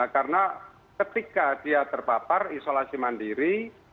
karena ketika dia terpapar isolasi mandiri